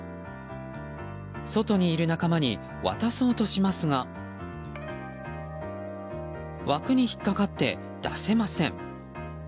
外にいる仲間に渡そうとしますが枠に引っかかって出せません。